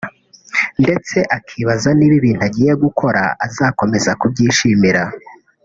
ndetse akibaza niba ibintu agiye gukora azakomeza kubyishimira